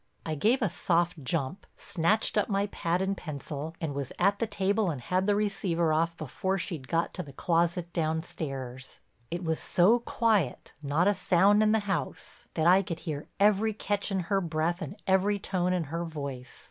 I gave a soft jump, snatched up my pad and pencil, and was at the table and had the receiver off before she'd got to the closet downstairs. It was so quiet, not a sound in the house, that I could hear every catch in her breath and every tone in her voice.